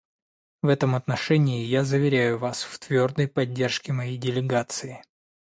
В этом отношении я заверяю Вас в твердой поддержке моей делегации.